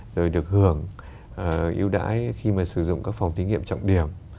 rồi được hưởng ưu đãi khi mà sử dụng các phòng thí nghiệm trọng điểm